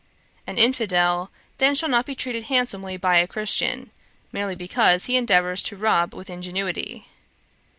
An infidel then shall not be treated handsomely by a Christian, merely because he endeavours to rob with ingenuity.